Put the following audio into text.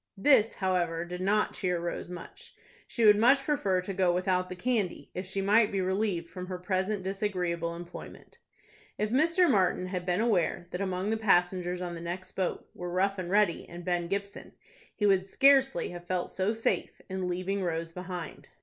This, however, did not cheer Rose much. She would much prefer to go without the candy, if she might be relieved from her present disagreeable employment. If Mr. Martin had been aware that among the passengers on the next boat were Rough and Ready and Ben Gibson, he would scarcely have felt so safe in leaving Rose behind.